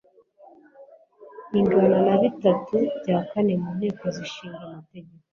ingana na bitatu byakane mu nteko zishinga Amategeko.